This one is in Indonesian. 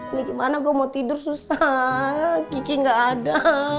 ini gimana gue mau tidur susah kiki gak ada